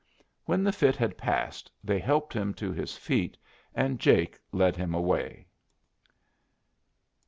When the fit had passed they helped him to his feet, and Jake led him away.